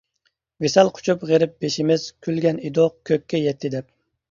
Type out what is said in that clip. ۋىسال قۇچۇپ غېرىب بېشىمىز، كۈلگەن ئىدۇق كۆككە يەتتى دەپ.